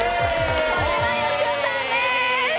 小島よしおさんです！